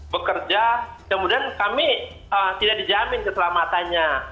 bekerja kemudian kami tidak dijamin keselamatannya